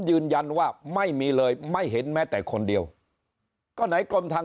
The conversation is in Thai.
ยืนยันว่าไม่มีเลยไม่เห็นแม้แต่คนเดียวก็ไหนกรมทาง